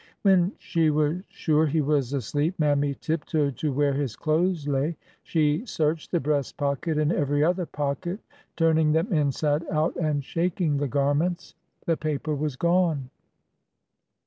When she was sure he was asleep. Mammy tiptoed to where his clothes lay. She searched the breast pocket and every other pocket ; turning them inside out and shak ing the garments. I 304 ORDER NO. 11 The paper was gone.